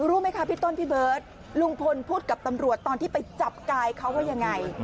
รู้ไหมคะพี่ต้นพี่เบิร์ตลุงพลพูดกับตำรวจตอนที่ไปจับกายเขาว่ายังไง